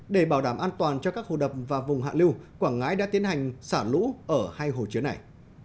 để bảo đảm an toàn cho các hồ đập và vùng hạ lưu quảng ngãi đã tiến hành xả lũ ở hai hồ chứa này